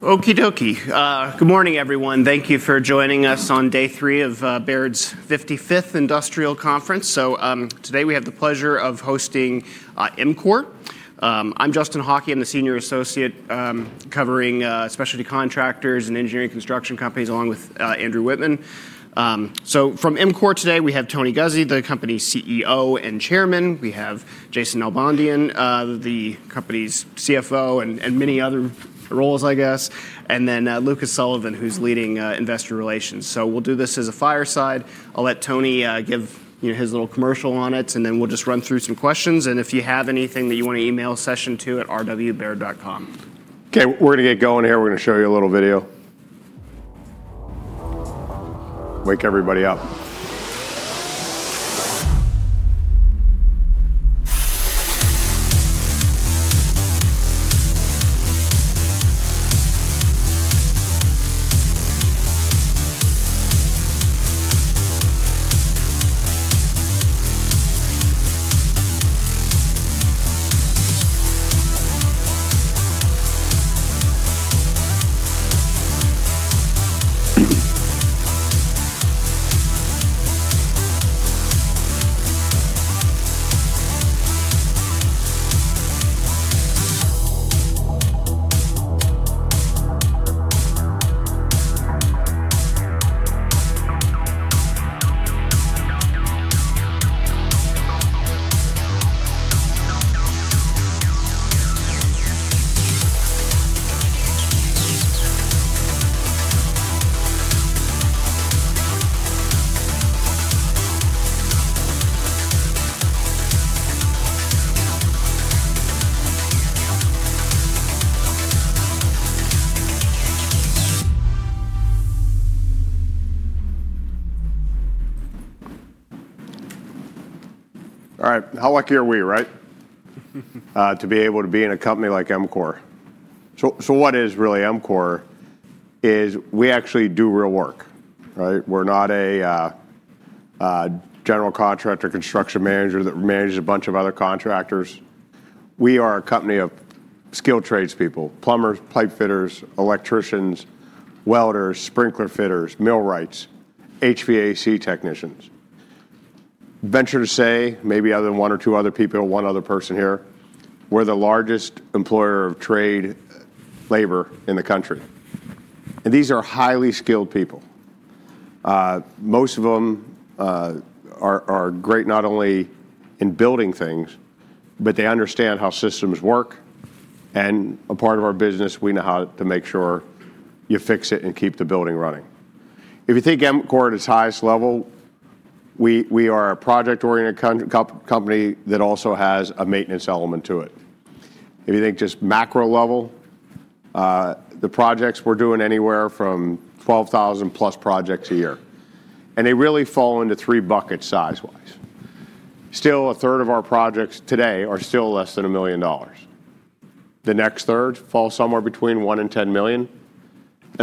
Okey dokey. Good morning, everyone. Thank you for joining us on day three of Baird's 55th Industrial Conference. Today we have the pleasure of hosting EMCOR. I'm Justin Hauke. I'm the Senior Associate covering specialty contractors and engineering construction companies along with Andrew Whitman. From EMCOR today, we have Tony Guzzi, the company's CEO and Chairman. We have Jason Nalbandian, the company's CFO, and many other roles, I guess, and then Lucas Sullivan, who's leading investor relations. We'll do this as a fireside. I'll let Tony give his little commercial on it, and then we'll just run through some questions. If you have anything that you want to email, session 2 at rwbaird.com. OK, we're going to get going here. We're going to show you a little video. Wake everybody up. All right, how lucky are we, right, to be able to be in a company like EMCOR? So what is really EMCOR? We actually do real work. We're not a general contractor construction manager that manages a bunch of other contractors. We are a company of skilled tradespeople: plumbers, pipe fitters, electricians, welders, sprinkler fitters, millwrights, HVAC technicians. Venture to say, maybe other than one or two other people, one other person here, we're the largest employer of trade labor in the country. And these are highly skilled people. Most of them are great not only in building things, but they understand how systems work. And a part of our business, we know how to make sure you fix it and keep the building running. If you think EMCOR at its highest level, we are a project-oriented company that also has a maintenance element to it. If you think just macro level, the projects we're doing are anywhere from 12,000 plus projects a year. They really fall into three buckets size-wise. Still, a third of our projects today are still less than $1 million. The next third falls somewhere between $1 million and $10 million.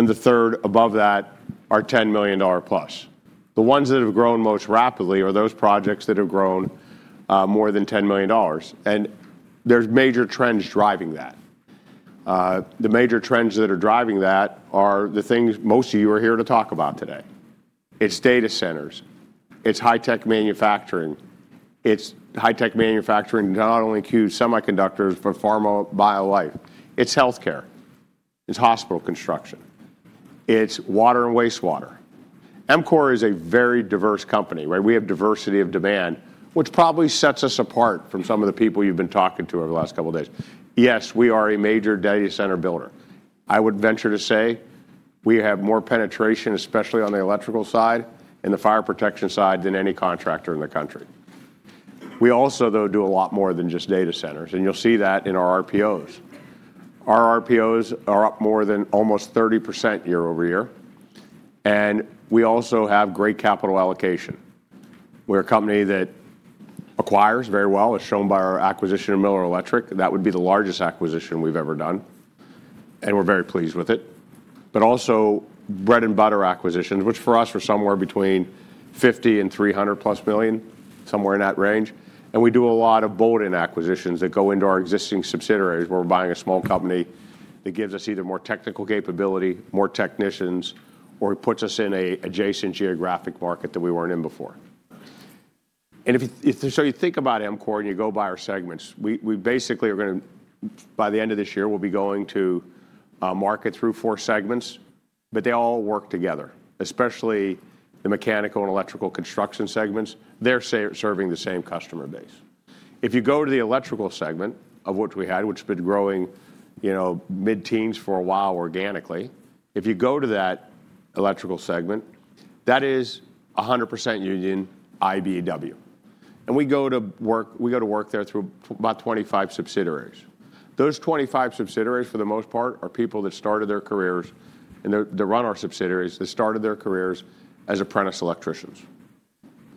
The third above that are $10 million plus. The ones that have grown most rapidly are those projects that have grown more than $10 million. There are major trends driving that. The major trends that are driving that are the things most of you are here to talk about today. It's data centers. It's high-tech manufacturing. It's high-tech manufacturing not only to use semiconductors for pharma and bio life. It's health care. It's hospital construction. It's water and wastewater. EMCOR is a very diverse company. We have diversity of demand, which probably sets us apart from some of the people you've been talking to over the last couple of days. Yes, we are a major data center builder. I would venture to say we have more penetration, especially on the electrical side and the fire protection side, than any contractor in the country. We also, though, do a lot more than just data centers. You'll see that in our RPOs. Our RPOs are up more than almost 30% year over year. We also have great capital allocation. We're a company that acquires very well, as shown by our acquisition of Miller Electric. That would be the largest acquisition we've ever done. We're very pleased with it. Also bread-and-butter acquisitions, which for us are somewhere between $50 million and $300 million plus, somewhere in that range. We do a lot of bolt-in acquisitions that go into our existing subsidiaries where we're buying a small company that gives us either more technical capability, more technicians, or puts us in an adjacent geographic market that we were not in before. You think about EMCOR and you go by our segments, we basically are going to, by the end of this year, we'll be going to market through four segments. They all work together, especially the mechanical and electrical construction segments. They're serving the same customer base. If you go to the electrical segment, which has been growing mid-teens for a while organically, that is 100% union IBEW. We go to work there through about 25 subsidiaries. Those 25 subsidiaries, for the most part, are people that started their careers and that run our subsidiaries that started their careers as apprentice electricians.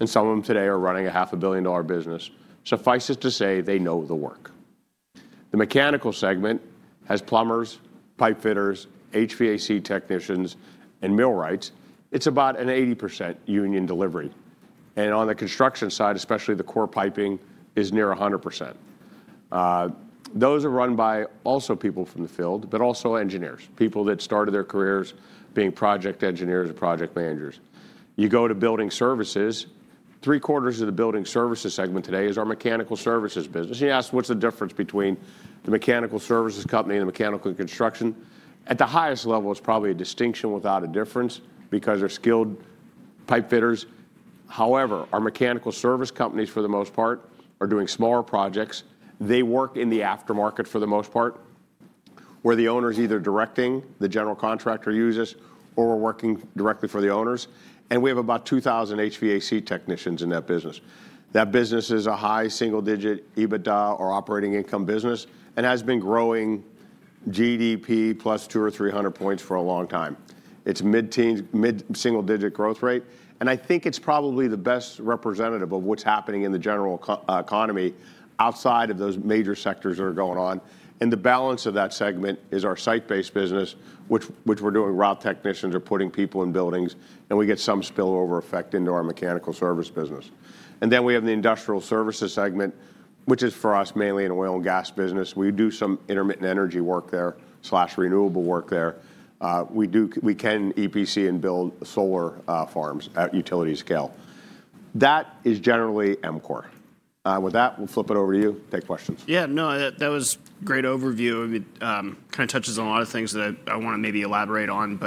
Some of them today are running a $500,000,000 business. Suffice it to say, they know the work. The mechanical segment has plumbers, pipe fitters, HVAC technicians, and millwrights. It is about an 80% union delivery. On the construction side, especially the core piping, it is near 100%. Those are run by also people from the field, but also engineers, people that started their careers being project engineers and project managers. You go to building services, three quarters of the building services segment today is our mechanical services business. You ask what is the difference between the mechanical services company and the mechanical construction, at the highest level, it is probably a distinction without a difference because they are skilled pipe fitters. However, our mechanical service companies, for the most part, are doing smaller projects. They work in the aftermarket for the most part, where the owner is either directing, the general contractor uses, or we're working directly for the owners. We have about 2,000 HVAC technicians in that business. That business is a high single-digit EBITDA or operating income business and has been growing GDP plus 200 or 300 points for a long time. It is a mid-single-digit growth rate. I think it is probably the best representative of what is happening in the general economy outside of those major sectors that are going on. The balance of that segment is our site-based business, which is doing route technicians or putting people in buildings. We get some spillover effect into our mechanical service business. We have the industrial services segment, which is for us mainly an oil and gas business. We do some intermittent energy work there, slash renewable work there. We can EPC and build solar farms at utility scale. That is generally EMCOR. With that, we'll flip it over to you. Take questions. Yeah, no, that was a great overview. It kind of touches on a lot of things that I want to maybe elaborate on.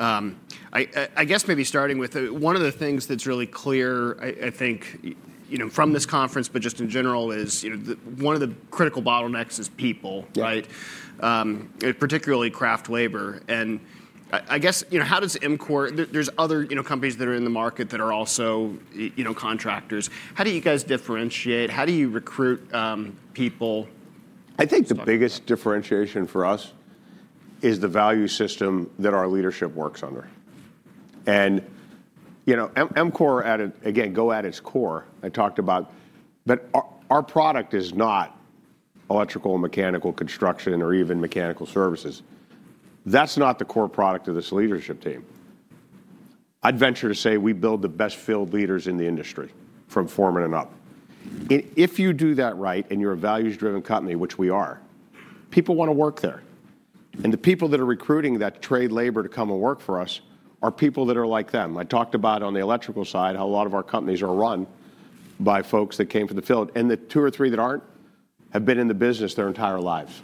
I guess maybe starting with one of the things that's really clear, I think, from this conference, but just in general, is one of the critical bottlenecks is people, particularly craft labor. I guess how does EMCOR, there's other companies that are in the market that are also contractors. How do you guys differentiate? How do you recruit people? I think the biggest differentiation for us is the value system that our leadership works under. At EMCOR, again, go at its core. I talked about, but our product is not electrical and mechanical construction or even mechanical services. That is not the core product of this leadership team. I'd venture to say we build the best field leaders in the industry from foreman and up. If you do that right and you are a values-driven company, which we are, people want to work there. The people that are recruiting that trade labor to come and work for us are people that are like them. I talked about on the electrical side how a lot of our companies are run by folks that came from the field. The two or three that are not have been in the business their entire lives.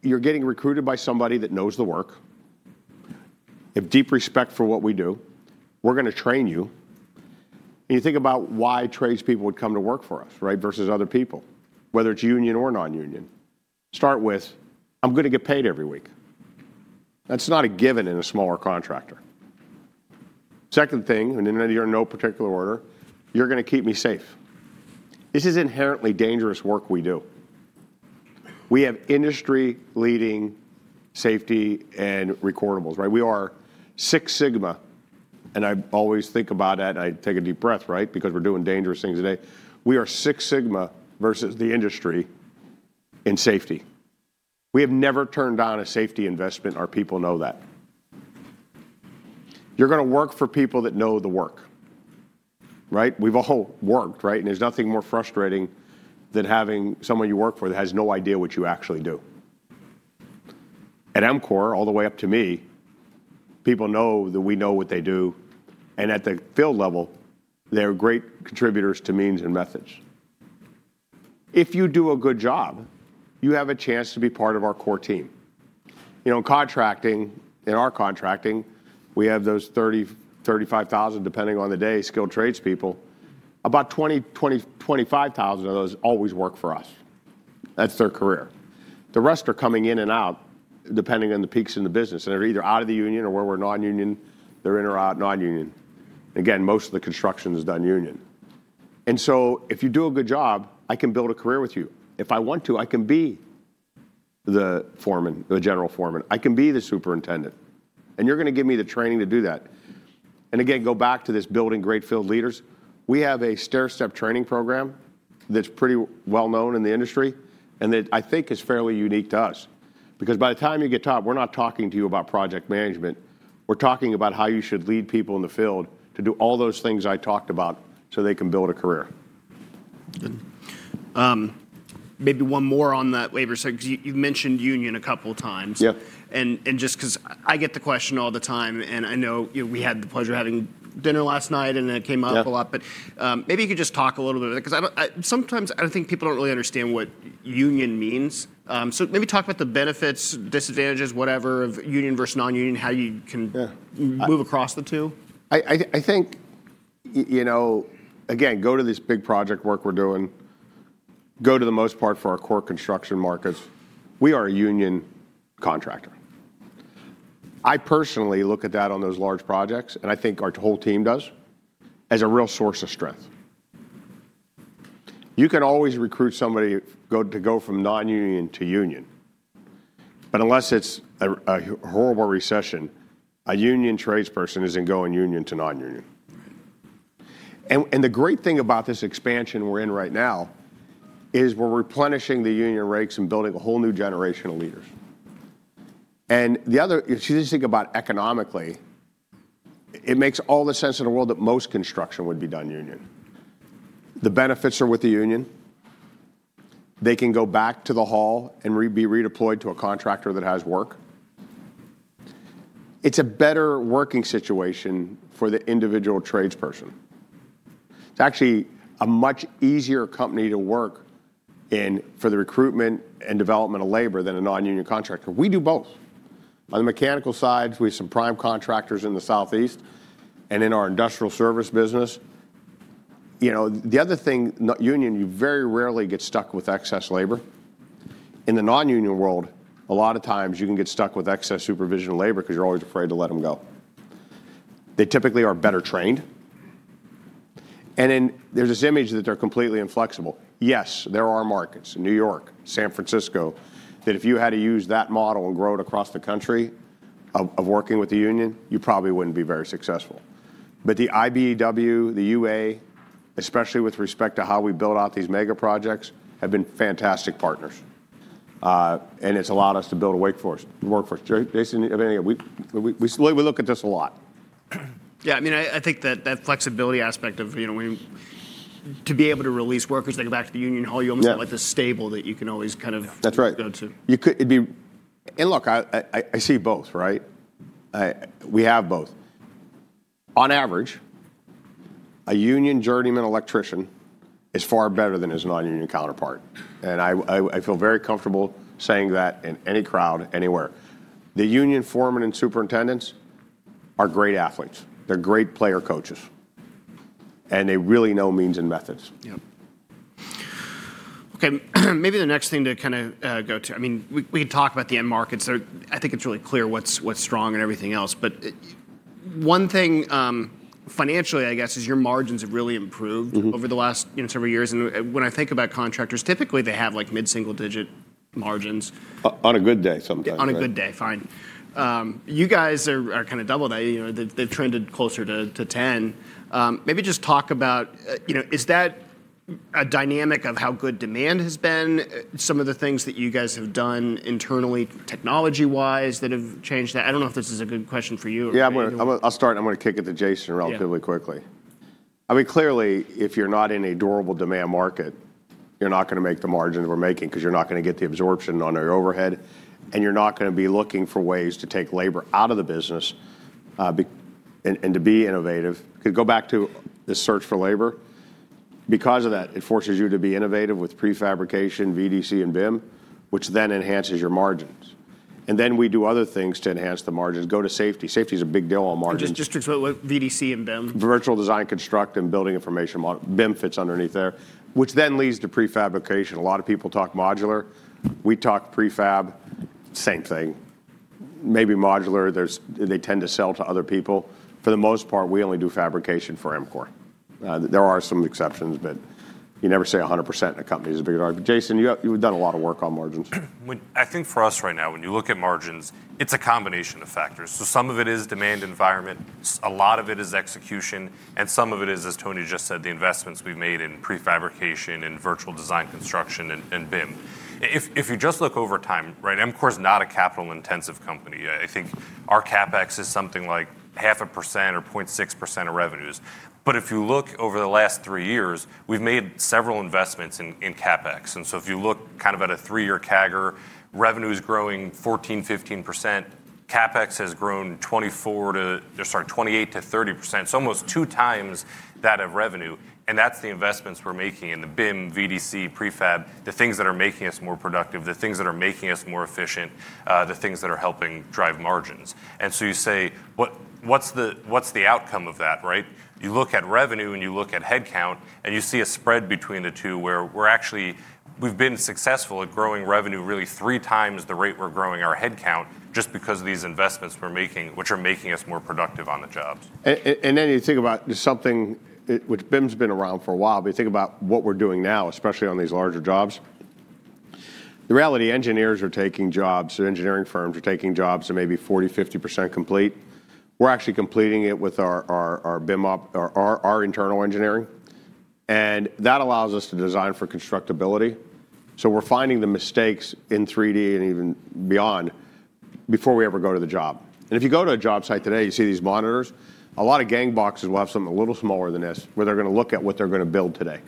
You're getting recruited by somebody that knows the work. Have deep respect for what we do. We're going to train you. You think about why tradespeople would come to work for us versus other people, whether it's union or non-union. Start with, I'm going to get paid every week. That's not a given in a smaller contractor. Second thing, and in no particular order, you're going to keep me safe. This is inherently dangerous work we do. We have industry-leading safety and recordables. We are Six Sigma. I always think about that, and I take a deep breath because we're doing dangerous things today. We are Six Sigma versus the industry in safety. We have never turned down a safety investment. Our people know that. You're going to work for people that know the work. We've all worked. There is nothing more frustrating than having someone you work for that has no idea what you actually do. At EMCOR, all the way up to me, people know that we know what they do. At the field level, they are great contributors to means and methods. If you do a good job, you have a chance to be part of our core team. In our contracting, we have those 30,000-35,000, depending on the day, skilled tradespeople. About 20,000-25,000 of those always work for us. That is their career. The rest are coming in and out, depending on the peaks in the business. They are either out of the union or where we are non-union. They are in or out non-union. Most of the construction is done union. If you do a good job, I can build a career with you. If I want to, I can be the foreman, the general foreman. I can be the superintendent. You are going to give me the training to do that. Again, go back to this building great field leaders. We have a stair-step training program that is pretty well known in the industry and that I think is fairly unique to us. Because by the time you get taught, we are not talking to you about project management. We are talking about how you should lead people in the field to do all those things I talked about so they can build a career. Maybe one more on that labor segment. You mentioned union a couple of times. Just because I get the question all the time, and I know we had the pleasure of having dinner last night, and it came up a lot. Maybe you could just talk a little bit about it. Sometimes I think people do not really understand what union means. Maybe talk about the benefits, disadvantages, whatever, of union versus non-union, how you can move across the two. I think, again, go to this big project work we're doing. Go to the most part for our core construction markets. We are a union contractor. I personally look at that on those large projects, and I think our whole team does, as a real source of strength. You can always recruit somebody to go from non-union to union. Unless it's a horrible recession, a union tradesperson isn't going union to non-union. The great thing about this expansion we're in right now is we're replenishing the union ranks and building a whole new generation of leaders. If you just think about economically, it makes all the sense in the world that most construction would be done union. The benefits are with the union. They can go back to the hall and be redeployed to a contractor that has work. It's a better working situation for the individual tradesperson. It's actually a much easier company to work in for the recruitment and development of labor than a non-union contractor. We do both. On the mechanical side, we have some prime contractors in the Southeast. In our industrial service business, the other thing, union, you very rarely get stuck with excess labor. In the non-union world, a lot of times you can get stuck with excess supervision labor because you're always afraid to let them go. They typically are better trained. Then there's this image that they're completely inflexible. Yes, there are markets in New York, San Francisco, that if you had to use that model and grow it across the country of working with the union, you probably wouldn't be very successful. The IBEW, the UA, especially with respect to how we build out these mega projects, have been fantastic partners. It has allowed us to build a workforce. Jason, we look at this a lot. Yeah, I mean, I think that flexibility aspect of to be able to release workers that go back to the union hall, you almost want the stable that you can always kind of go to. That's right. Look, I see both. We have both. On average, a union journeyman electrician is far better than his non-union counterpart. I feel very comfortable saying that in any crowd, anywhere. The union foreman and superintendents are great athletes. They're great player coaches. They really know means and methods. OK, maybe the next thing to kind of go to, I mean, we can talk about the end markets. I think it's really clear what's strong and everything else. One thing financially, I guess, is your margins have really improved over the last several years. When I think about contractors, typically they have mid-single-digit margins. On a good day sometimes. On a good day, fine. You guys are kind of double that. They've trended closer to 10%. Maybe just talk about, is that a dynamic of how good demand has been? Some of the things that you guys have done internally, technology-wise, that have changed that? I don't know if this is a good question for you. Yeah, I'll start, and I'm going to kick it to Jason relatively quickly. I mean, clearly, if you're not in a durable demand market, you're not going to make the margins we're making because you're not going to get the absorption on our overhead. And you're not going to be looking for ways to take labor out of the business and to be innovative. Because go back to the search for labor. Because of that, it forces you to be innovative with prefabrication, VDC, and BIM, which then enhances your margins. And then we do other things to enhance the margins. Go to safety. Safety is a big deal on margins. Just between VDC and BIM. Virtual Design Construct and Building Information Model. BIM fits underneath there, which then leads to prefabrication. A lot of people talk modular. We talk prefab, same thing. Maybe modular, they tend to sell to other people. For the most part, we only do fabrication for EMCOR. There are some exceptions, but you never say 100% in a company is a big margin. Jason, you've done a lot of work on margins. I think for us right now, when you look at margins, it's a combination of factors. Some of it is demand environment. A lot of it is execution. Some of it is, as Tony just said, the investments we've made in prefabrication and virtual design construction and BIM. If you just look over time, EMCOR is not a capital-intensive company. I think our CapEx is something like half a percent or 0.6% of revenues. If you look over the last three years, we've made several investments in CapEx. If you look kind of at a three-year CAGR, revenue is growing 14%-15%. CapEx has grown 28%-30%. Almost two times that of revenue. That's the investments we're making in the BIM, VDC, prefab, the things that are making us more productive, the things that are making us more efficient, the things that are helping drive margins. You say, what's the outcome of that? You look at revenue and you look at headcount, and you see a spread between the two where we've been successful at growing revenue really three times the rate we're growing our headcount just because of these investments we're making, which are making us more productive on the jobs. You think about something which BIM's been around for a while, but you think about what we're doing now, especially on these larger jobs. The reality, engineers are taking jobs, engineering firms are taking jobs that may be 40%, 50% complete. We're actually completing it with our internal engineering. That allows us to design for constructability. We're finding the mistakes in 3D and even beyond before we ever go to the job. If you go to a job site today, you see these monitors. A lot of gangboxes will have something a little smaller than this where they're going to look at what they're going to build today.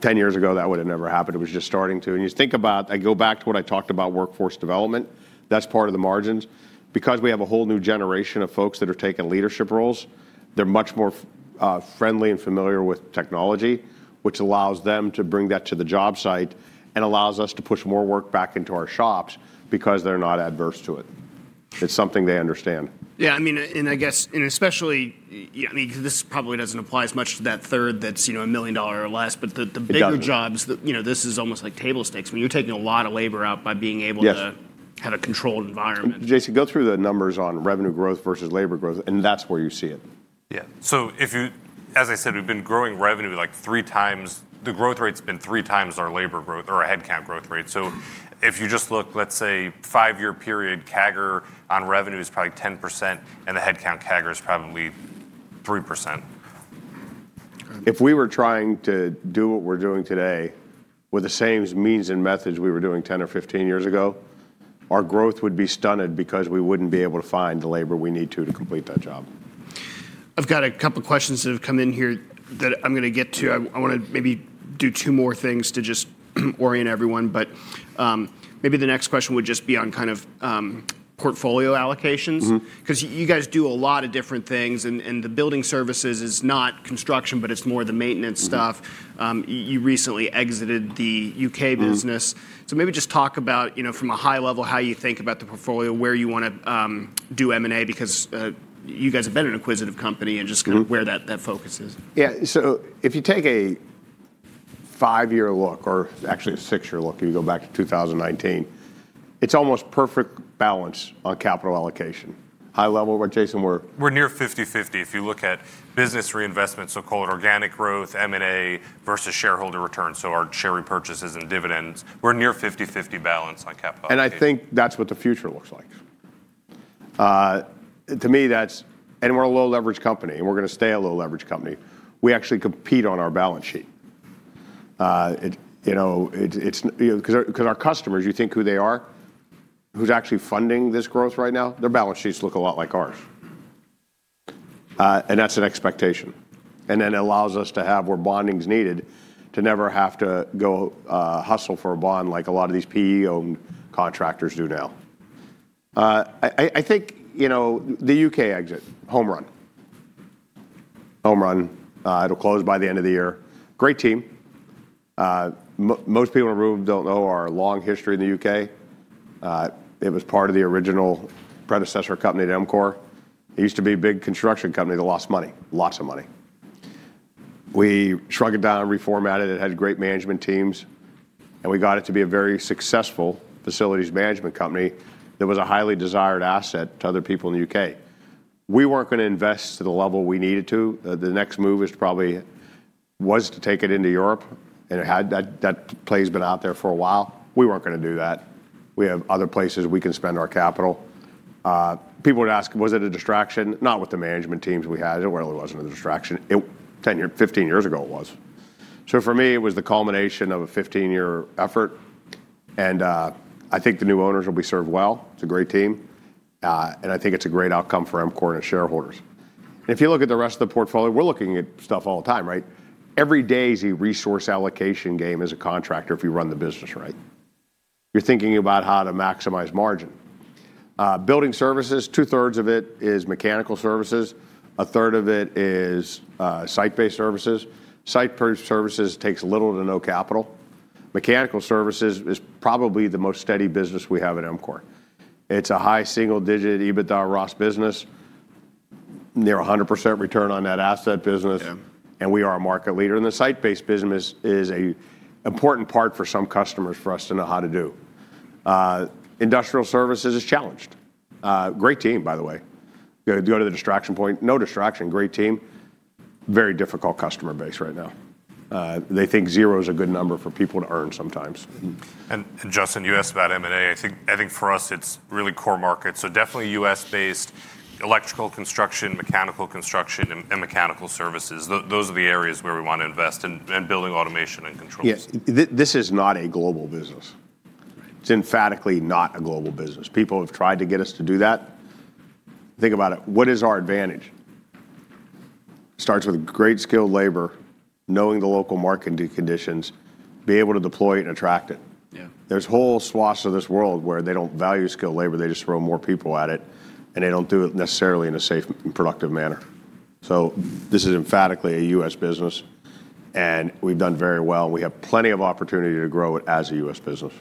Ten years ago, that would have never happened. It was just starting to. You think about, I go back to what I talked about workforce development. That's part of the margins. Because we have a whole new generation of folks that are taking leadership roles, they're much more friendly and familiar with technology, which allows them to bring that to the job site and allows us to push more work back into our shops because they're not averse to it. It's something they understand. Yeah, I mean, and I guess, and especially, I mean, this probably doesn't apply as much to that third that's a million dollars or less, but the bigger jobs, this is almost like table stakes. I mean, you're taking a lot of labor out by being able to have a controlled environment. Jason, go through the numbers on revenue growth versus labor growth, and that's where you see it. Yeah, so as I said, we've been growing revenue like three times. The growth rate's been three times our labor growth or our headcount growth rate. If you just look, let's say, five-year period, CAGR on revenue is probably 10%, and the headcount CAGR is probably 3%. If we were trying to do what we're doing today with the same means and methods we were doing 10 or 15 years ago, our growth would be stunted because we wouldn't be able to find the labor we need to complete that job. I've got a couple of questions that have come in here that I'm going to get to. I want to maybe do two more things to just orient everyone. Maybe the next question would just be on kind of portfolio allocations. Because you guys do a lot of different things. The building services is not construction, but it's more the maintenance stuff. You recently exited the U.K. business. Maybe just talk about, from a high level, how you think about the portfolio, where you want to do M&A, because you guys have been an acquisitive company and just kind of where that focus is. Yeah, so if you take a five-year look, or actually a six-year look, if you go back to 2019, it's almost perfect balance on capital allocation. High level, Jason, we're. We're near 50/50. If you look at business reinvestments, so-called organic growth, M&A versus shareholder returns, so our share repurchases and dividends, we're near 50/50 balance on capital allocation. I think that's what the future looks like. To me, that's, and we're a low-leverage company, and we're going to stay a low-leverage company. We actually compete on our balance sheet. Because our customers, you think who they are? Who's actually funding this growth right now? Their balance sheets look a lot like ours. That's an expectation. It allows us to have where bonding's needed to never have to go hustle for a bond like a lot of these PE-owned contractors do now. I think the U.K. exit, home run. Home run. It'll close by the end of the year. Great team. Most people in the room don't know our long history in the U.K. It was part of the original predecessor company to EMCOR. It used to be a big construction company that lost money, lots of money. We shrunk it down, reformatted it, had great management teams. We got it to be a very successful facilities management company that was a highly desired asset to other people in the U.K. We were not going to invest to the level we needed to. The next move was to take it into Europe. That play has been out there for a while. We were not going to do that. We have other places we can spend our capital. People would ask, was it a distraction? Not with the management teams we had. It really was not a distraction. Fifteen years ago, it was. For me, it was the culmination of a 15-year effort. I think the new owners will be served well. It is a great team. I think it is a great outcome for EMCOR and its shareholders. If you look at the rest of the portfolio, we're looking at stuff all the time. Every day is a resource allocation game as a contractor if you run the business right. You're thinking about how to maximize margin. Building services, two-thirds of it is mechanical services. A third of it is site-based services. Site-based services takes little to no capital. Mechanical services is probably the most steady business we have at EMCOR. It's a high single-digit EBITDA ROS business. Near 100% return on that asset business. We are a market leader. The site-based business is an important part for some customers for us to know how to do. Industrial services is challenged. Great team, by the way. Go to the distraction point, no distraction, great team. Very difficult customer base right now. They think zero is a good number for people to earn sometimes. Justin, you asked about M&A. I think for us, it's really core markets. Definitely U.S.-based electrical construction, mechanical construction, and mechanical services. Those are the areas where we want to invest in building automation and controls. Yes, this is not a global business. It is emphatically not a global business. People have tried to get us to do that. Think about it. What is our advantage? It starts with great skilled labor, knowing the local market conditions, being able to deploy it and attract it. There are whole swaths of this world where they do not value skilled labor. They just throw more people at it. They do not do it necessarily in a safe and productive manner. This is emphatically a U.S. business. We have done very well. We have plenty of opportunity to grow it as a U.S. business.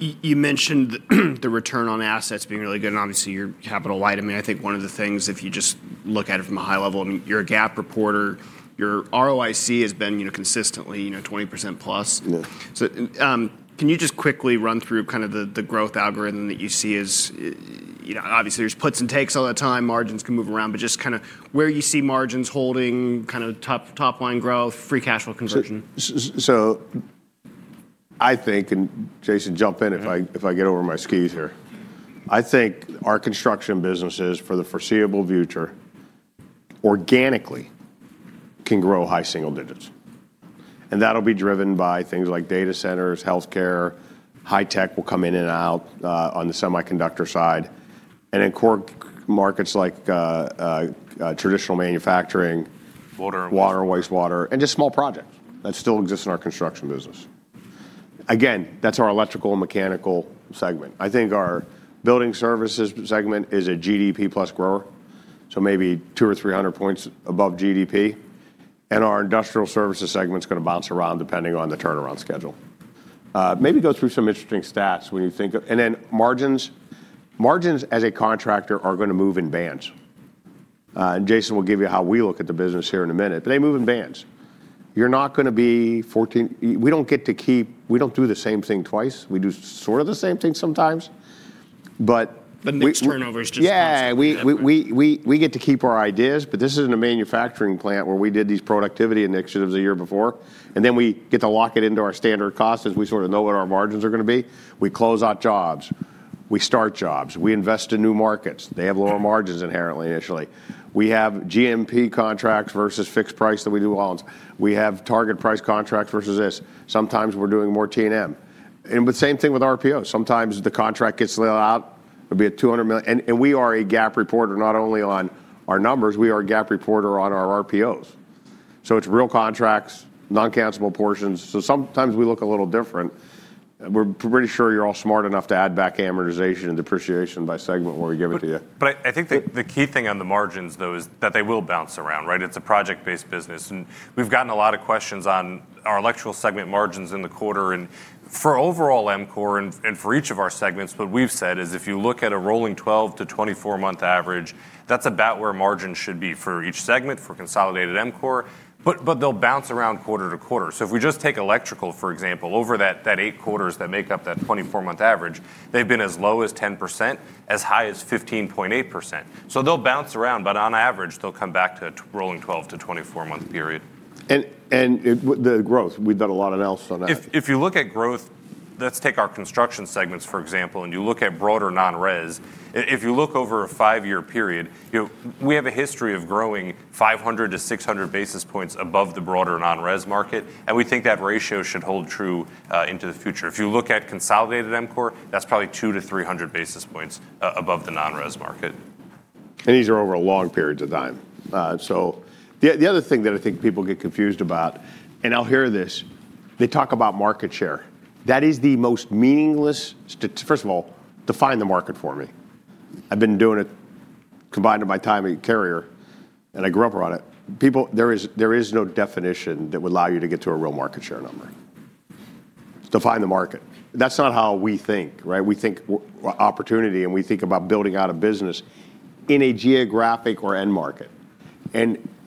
You mentioned the return on assets being really good. Obviously, you are capital light. I mean, I think one of the things, if you just look at it from a high level, and you are a GAAP reporter, your ROIC has been consistently 20% plus. Can you just quickly run through kind of the growth algorithm that you see? Obviously, there are puts and takes all the time. Margins can move around. Just kind of where you see margins holding, kind of top-line growth, free cash flow conversion. I think, and Jason, jump in if I get over my skis here. I think our construction businesses for the foreseeable future organically can grow high single digits. That will be driven by things like data centers, health care. High tech will come in and out on the semiconductor side. Core markets like traditional manufacturing, Water, wastewater, and just small projects that still exist in our construction business. Again, that is our electrical and mechanical segment. I think our building services segment is a GDP plus grower, so maybe 200 or 300 points above GDP. Our industrial services segment is going to bounce around depending on the turnaround schedule. Maybe go through some interesting stats when you think of, and then margins. Margins as a contractor are going to move in bands. Jason will give you how we look at the business here in a minute. They move in bands. You're not going to be 14. We don't get to keep, we don't do the same thing twice. We do sort of the same thing sometimes. Turnover is just. Yeah, we get to keep our ideas. This isn't a manufacturing plant where we did these productivity initiatives a year before, and then we get to lock it into our standard costs as we sort of know what our margins are going to be. We close out jobs. We start jobs. We invest in new markets. They have lower margins inherently initially. We have GMP contracts versus fixed price that we do loans. We have target price contracts versus this. Sometimes we're doing more T&M. Same thing with RPOs. Sometimes the contract gets laid out. It'll be a $200 million. We are a GAAP reporter not only on our numbers. We are a GAAP reporter on our RPOs. It's real contracts, non-countable portions. Sometimes we look a little different. We're pretty sure you're all smart enough to add back amortization and depreciation by segment when we give it to you. I think the key thing on the margins, though, is that they will bounce around. It's a project-based business. We've gotten a lot of questions on our electrical segment margins in the quarter. For overall EMCOR and for each of our segments, what we've said is if you look at a rolling 12-24 month average, that's about where margins should be for each segment for consolidated EMCOR. They'll bounce around quarter to quarter. If we just take electrical, for example, over that eight quarters that make up that 24-month average, they've been as low as 10%, as high as 15.8%. They'll bounce around. On average, they'll come back to a rolling 12-24 month period. The growth, we've done a lot of analysis on that. If you look at growth, let's take our construction segments, for example, and you look at broader non-res. If you look over a five-year period, we have a history of growing 500-600 basis points above the broader non-res market. And we think that ratio should hold true into the future. If you look at consolidated EMCOR, that's probably 200-300 basis points above the non-res market. These are over a long period of time. The other thing that I think people get confused about, and I'll hear this, they talk about market share. That is the most meaningless, first of all, define the market for me. I've been doing it combined with my time at Carrier, and I grew up around it. There is no definition that would allow you to get to a real market share number. Define the market. That's not how we think. We think opportunity, and we think about building out a business in a geographic or end market.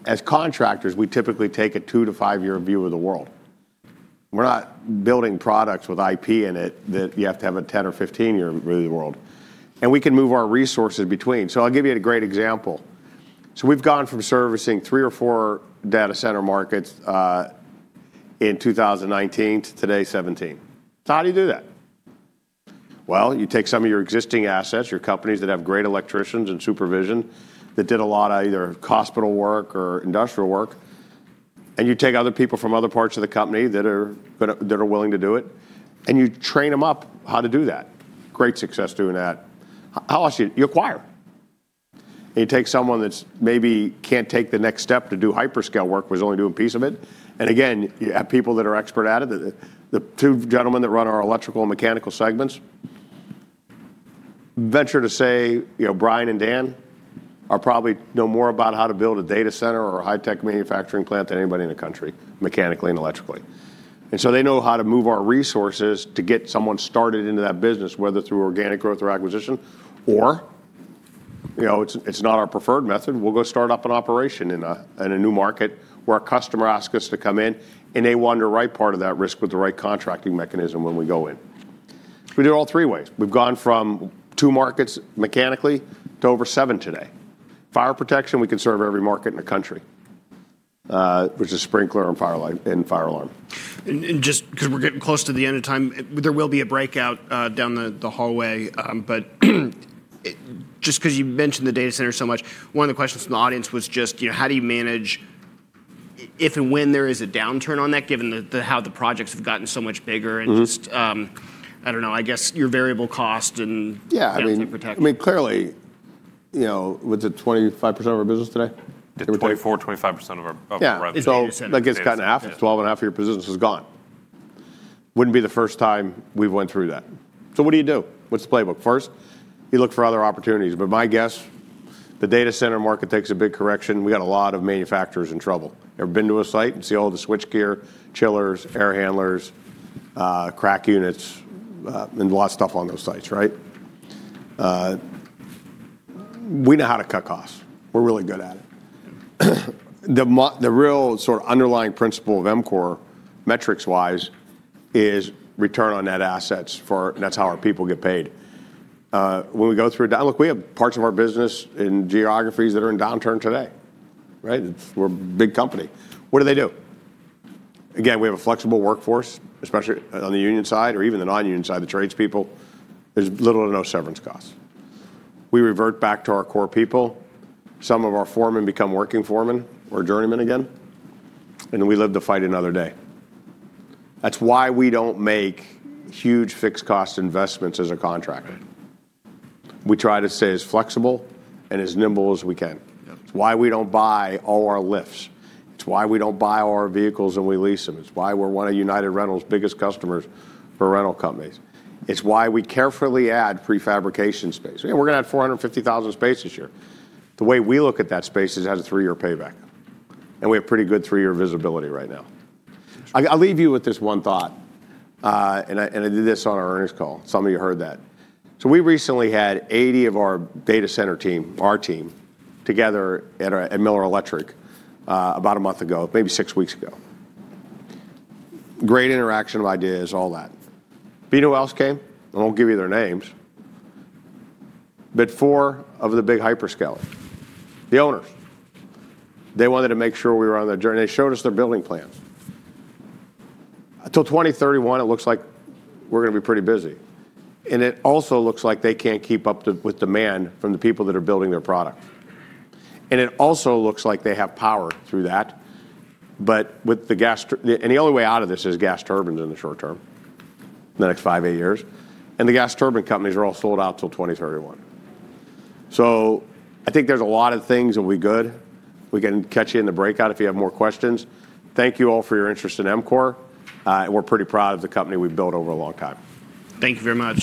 As contractors, we typically take a two- to five-year view of the world. We're not building products with IP in it that you have to have a 10- or 15-year view of the world. We can move our resources between. I'll give you a great example. We have gone from servicing three or four data center markets in 2019 to today, 17. How do you do that? You take some of your existing assets, your companies that have great electricians and supervision that did a lot of either hospital work or industrial work. You take other people from other parts of the company that are willing to do it, and you train them up how to do that. Great success doing that. How else do you do it? You acquire. You take someone that maybe cannot take the next step to do hyperscale work, was only doing a piece of it. Again, you have people that are expert at it. The two gentlemen that run our electrical and mechanical segments, venture to say, Brian and Dan are probably no more about how to build a data center or a high-tech manufacturing plant than anybody in the country, mechanically and electrically. They know how to move our resources to get someone started into that business, whether through organic growth or acquisition. Or it's not our preferred method. We'll go start up an operation in a new market where a customer asks us to come in. They want the right part of that risk with the right contracting mechanism when we go in. We do it all three ways. We've gone from two markets mechanically to over seven today. Fire protection, we can serve every market in the country, which is sprinkler and fire alarm. Just because we're getting close to the end of time, there will be a breakout down the hallway. Just because you mentioned the data center so much, one of the questions from the audience was just, how do you manage if and when there is a downturn on that, given how the projects have gotten so much bigger? I guess your variable cost and protection. Yeah, I mean, clearly, what's it, 25% of our business today? It's 24%-25% of our revenue. Yeah, it's all, like it's gotten half, 12.5% of your business is gone. Wouldn't be the first time we went through that. What do you do? What's the playbook? First, you look for other opportunities. My guess, the data center market takes a big correction. We got a lot of manufacturers in trouble. Ever been to a site and see all the switchgear, chillers, air handlers, CRAC units, and lots of stuff on those sites, right? We know how to cut costs. We're really good at it. The real sort of underlying principle of EMCOR, metrics-wise, is return on net assets. That's how our people get paid. When we go through, look, we have parts of our business in geographies that are in downturn today. We're a big company. What do they do? Again, we have a flexible workforce, especially on the union side or even the non-union side, the tradespeople. There's little or no severance costs. We revert back to our core people. Some of our foremen become working foremen or journeymen again. We live to fight another day. That's why we don't make huge fixed cost investments as a contractor. We try to stay as flexible and as nimble as we can. It's why we don't buy all our lifts. It's why we don't buy all our vehicles and we lease them. It's why we're one of United Rentals' biggest customers for rental companies. It's why we carefully add prefabrication space. We're going to add 450,000 sq ft this year. The way we look at that space is as a three-year payback. We have pretty good three-year visibility right now. I'll leave you with this one thought. I did this on our earnings call. Some of you heard that. We recently had 80 of our data center team, our team, together at Miller Electric about a month ago, maybe six weeks ago. Great interaction of ideas, all that. B2Ls came. I will not give you their names. Four of the big hyperscalers, the owners, they wanted to make sure we were on the journey. They showed us their building plans. Until 2031, it looks like we are going to be pretty busy. It also looks like they cannot keep up with demand from the people that are building their product. It also looks like they have power through that. With the gas turbine, and the only way out of this is gas turbines in the short term, the next five to eight years. The gas turbine companies are all sold out until 2031. I think there's a lot of things that will be good. We can catch you in the breakout if you have more questions. Thank you all for your interest in EMCOR. We're pretty proud of the company we've built over a long time. Thank you very much.